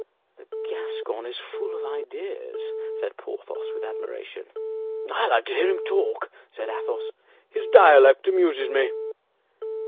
"The Gascon is full of ideas," said Porthos, with admiration. "I like to hear him talk," said Athos; "his dialect amuses me."